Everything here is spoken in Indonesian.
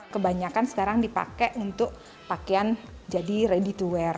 kebanyakan sekarang dipakai untuk pakaian jadi ready to wear